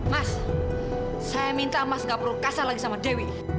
mas saya minta mas gak perlu kasar lagi sama dewi